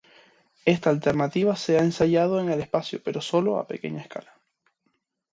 Esta alternativa se ha ensayado en el espacio pero solo a pequeña escala.